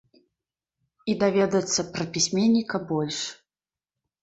І даведацца пра пісьменніка больш.